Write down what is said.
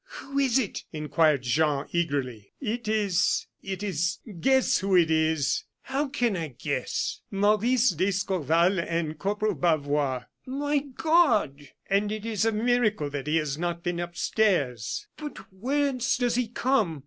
"Who is it?" inquired Jean, eagerly. "It is it is. Guess who it is." "How can I guess?" "Maurice d'Escorval and Corporal Bavois." "My God!" "And it is a miracle that he has not been upstairs." "But whence does he come?